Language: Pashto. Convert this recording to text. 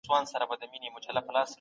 ښیښه یي لوښي د ساتلو لپاره غوره دي.